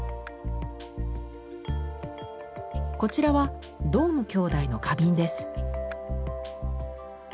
こちらはドーム兄弟の花瓶です。